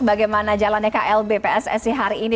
bagaimana jalannya klb pssi hari ini